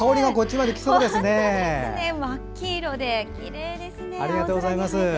まっ黄色できれいですね。